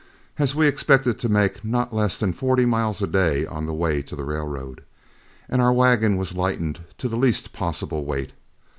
As we expected to make not less than forty miles a day on the way to the railroad, our wagon was lightened to the least possible weight.